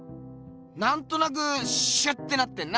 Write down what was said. なんとなくシュッてなってんな。